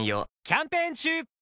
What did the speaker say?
キャンペーン中！